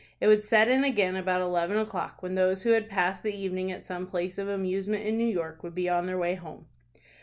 It would set in again about eleven o'clock when those who had passed the evening at some place of amusement in New York would be on their way home.